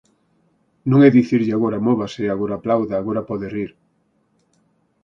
Non é dicirlle agora móvase, agora aplauda, agora pode rir.